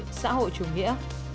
xã hội xã hội chủ nghĩa